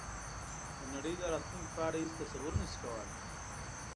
د نړۍ د راتلونکې په اړه هېڅ تصور نه شي کولای.